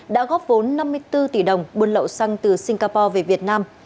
đã góp vốn năm mươi bốn tỷ đồng buôn lậu xăng từ singapore về việt nam